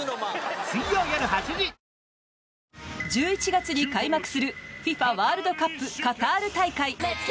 １１月に開幕するＦＩＦＡワールドカップカタール大会。